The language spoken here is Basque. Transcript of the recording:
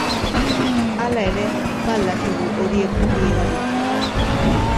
Hala ere, ba al dakigu horiek ongi erabiltzen?